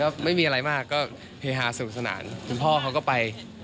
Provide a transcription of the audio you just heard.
ก็ไม่มีอะไรมากก็เพหาะสงสันถ้าพ่อเขาก็ไป